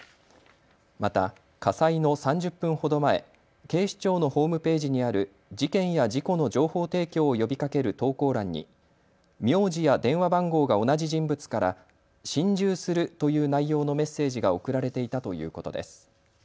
また火災の３０分ほど前、警視庁のホームページにある事件や事故の情報提供を呼びかける投稿欄に名字や電話番号が同じ人物から心中するという内容のメッセージが送られていたということです。